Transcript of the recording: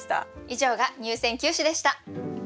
以上が入選九首でした。